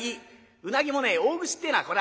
うなぎもね大串ってえのはこらぁ